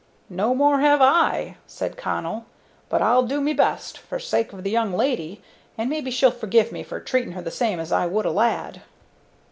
"No more have I," said Connell, "but I'll do me best, for sake of the young lady, and maybe she'll forgive me for treating her the same as I would a lad."